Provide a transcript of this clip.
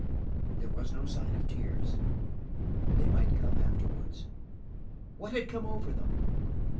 There was no sign of tears; they might come afterwards. What had come over them?